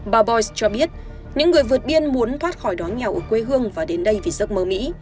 bà boice cho biết những người vượt biên muốn thoát khỏi đói nghèo ở quê hương và đến đây vì giấc mơ mỹ